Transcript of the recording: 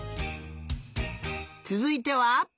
つづいては。